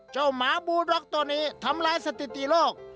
เจ้าหมาบูร็อกตัวนี้ทำร้ายสติติโลก